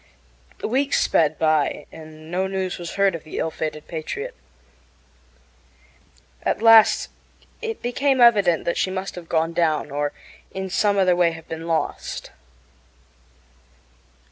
Weeks sped by, and no news was heard of the ill fated Patriot. At last it became evident that she must have gone down or in some other way have been lost.